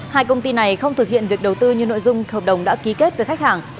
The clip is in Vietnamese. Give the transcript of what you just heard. hai công ty này không thực hiện việc đầu tư như nội dung hợp đồng đã ký kết với khách hàng